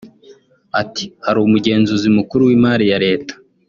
Ati “Hari umugenzuzi mukuru w’imari ya leta